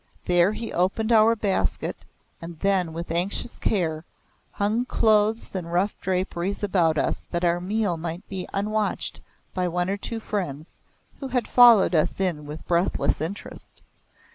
There he opened our basket, and then, with anxious care, hung clothes and rough draperies about us that our meal might be unwatched by one or two friends who had followed us in with breathless interest.